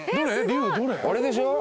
あれでしょ？